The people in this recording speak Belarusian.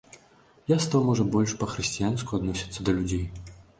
Я стаў можа больш па-хрысціянску адносіцца да людзей.